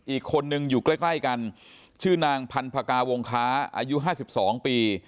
อีกคนนึงอยู่ใกล้กันชื่อนางพันธกาวงค้าอายุ๕๒ปี